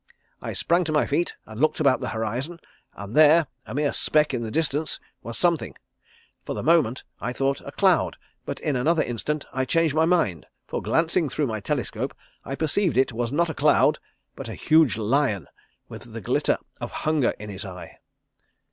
I sprang to my feet and looked about the horizon and there, a mere speck in the distance, was something for the moment I thought a cloud, but in another instant I changed my mind, for glancing through my telescope I perceived it was not a cloud but a huge lion with the glitter of hunger in his eye.